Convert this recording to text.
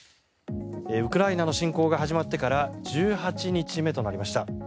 ウクライナの侵攻が始まってから１８日目となりました。